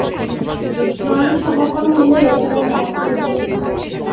স্নান সমাপন হইলে রতনের ডাক পড়িল।